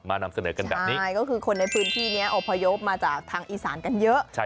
นำเสนอกันแบบนี้ใช่ก็คือคนในพื้นที่นี้อพยพมาจากทางอีสานกันเยอะ